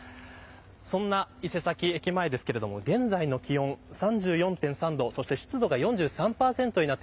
そんな伊勢崎駅前ですが現在の気温３４．３度そして、湿度は４３％です。